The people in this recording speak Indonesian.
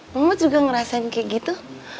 muhammad juga ngerasain kayak gitu